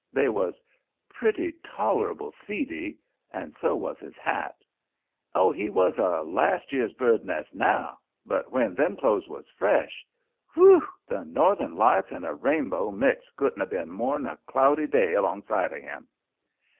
They was pretty tolerable seedy, and so was his hat. Oh, he was a last year's bird's nest NOW, but when them clothes was fresh whew! the northern lights and a rainbow mixed wouldn't have been more'n a cloudy day 'longside of him.